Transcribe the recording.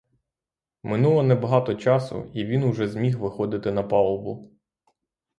Минуло небагато часу, і він уже зміг виходити на палубу.